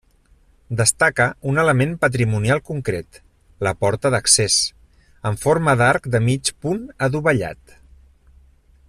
Destaca un element patrimonial concret, la porta d'accés, en forma d'arc de mig punt adovellat.